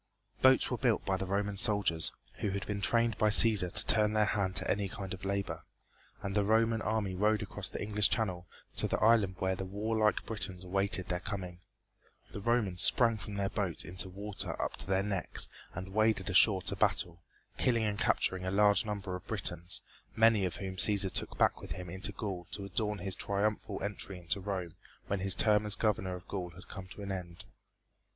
Boats were built by the Roman soldiers, who had been trained by Cæsar to turn their hand to any kind of labor, and the Roman army rowed across the English channel to the island where the warlike Britons awaited their coming. The Romans sprang from their boats into water up to their necks and waded ashore to battle, killing and capturing a large number of Britons, many of whom Cæsar took back with him into Gaul to adorn his triumphal entry into Rome when his term as governor of Gaul had come to an end.